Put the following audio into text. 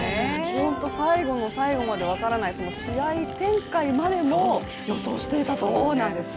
ホント、最後の最後まで分からない試合展開までも予想していたというね。